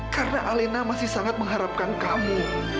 karena alena masih sangat mengharapkan kamu